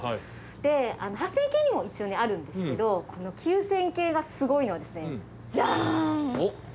で８０００系にも一応ねあるんですけどこの９０００系がスゴイのはですねジャーン！